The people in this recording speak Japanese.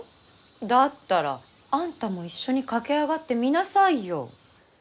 だったらあんたも一緒に駆け上がってみなさいよ。